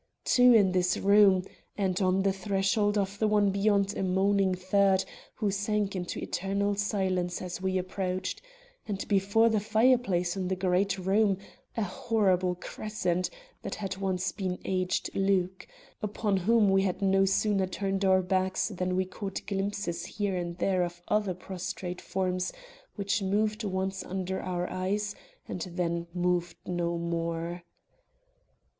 Two in this room! and on the threshold of the one beyond a moaning third, who sank into eternal silence as we approached; and before the fireplace in the great room, a horrible crescent that had once been aged Luke, upon whom we had no sooner turned our backs than we caught glimpses here and there of other prostrate forms which moved once under our eyes and then moved no more.